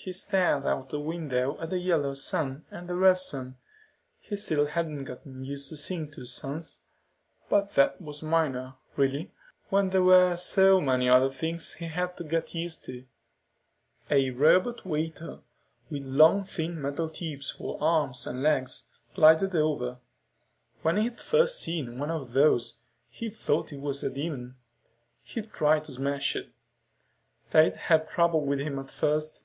He stared out the window at the yellow sun and the red sun. He still hadn't gotten used to seeing two suns. But that was minor, really, when there were so many other things he had to get used to. A robot waiter, with long thin metal tubes for arms and legs, glided over. When he'd first seen one of those, he'd thought it was a demon. He'd tried to smash it. They'd had trouble with him at first.